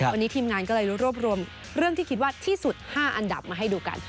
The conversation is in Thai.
วันนี้ทีมงานก็เลยรวบรวมเรื่องที่คิดว่าที่สุด๕อันดับมาให้ดูกัน